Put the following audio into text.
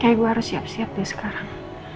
kayak gue harus siap siap deh sekarang